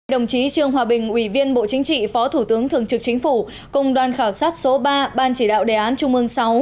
đồng chí trương hòa bình ủy viên bộ chính trị phó thủ tướng thường trực chính phủ cùng đoàn khảo sát số ba ban chỉ đạo đề án trung ương sáu